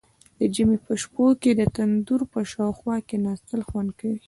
د ژمي په شپو کې د تندور په شاوخوا کیناستل خوند کوي.